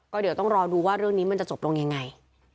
เดี๋ยวต้องรอดูว่าเรื่องนี้มันจะจบลงยังไง